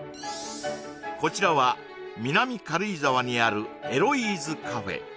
こちらは南軽井沢にあるエロイーズカフェ